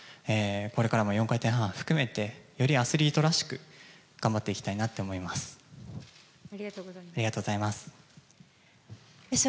これからも４回転半含めて、よりアスリートらしく頑張っていきたいなって思います。